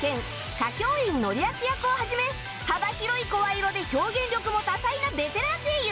花京院典明役を始め幅広い声色で表現力も多彩なベテラン声優